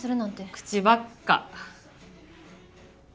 口ばっか。